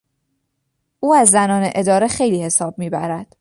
او از زنان اداره خیلی حساب میبرد.